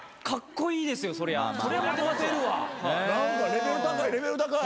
何かレベル高いレベル高い。